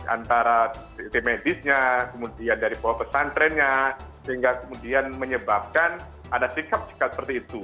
antara timetisnya kemudian dari pohok pesantrennya sehingga kemudian menyebabkan ada sikap sikap seperti itu